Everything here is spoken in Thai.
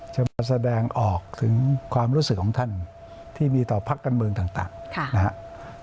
จะมาแสดงออกถึงความรู้สึกของท่านที่มีต่อพักการเมืองต่างนะครับ